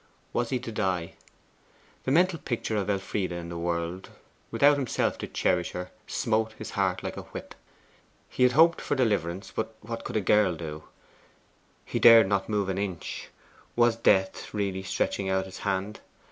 Was he to die? The mental picture of Elfride in the world, without himself to cherish her, smote his heart like a whip. He had hoped for deliverance, but what could a girl do? He dared not move an inch. Was Death really stretching out his hand?